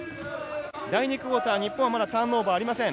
第２クオーター、日本はまだターンオーバーがありません。